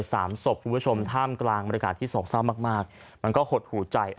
แต่สามศพคุณผู้ชมท่ามกลางบริการที่ส่องเศร้ามากมันก็หดหูใจ